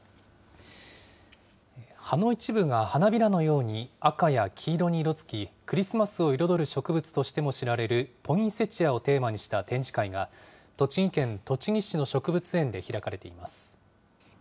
葉の一部が花びらのように赤や黄色に色づき、クリスマスを彩る植物としても知られる、ポインセチアをテーマにした展示会が、栃木県栃木市の植物園で開かれています。